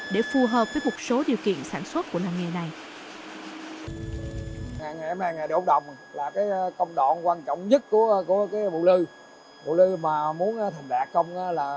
để phù hợp với các công đoạn